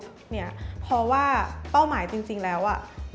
เพราะว่าเป้าหมายจริงแล้ว